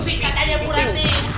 singkat aja bu rantik